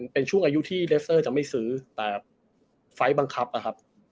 เป็นช่วงอายุที่เดสเซอร์จะไม่ซื้อแต่ไฟล์บังคับอะครับ